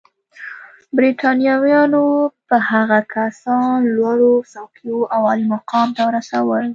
برېټانویانو به هغه کسان لوړو څوکیو او عالي مقام ته رسول.